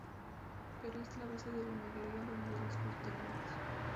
Pero es la base de la mayoría de modelos posteriores.